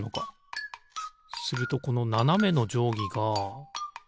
するとこのななめのじょうぎが。